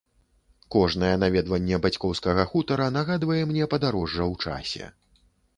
Кожнае наведванне бацькоўскага хутара нагадвае мне падарожжа ў часе.